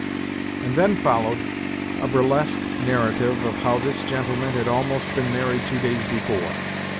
..." And then followed a burlesque narrative of how this gentle man had almost been married two days before.